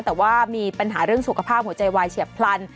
แต่ว่ามีปัญหาเรื่องสุขภาพหัวใจวายเฉียบพลัน